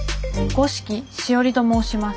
五色しおりと申します。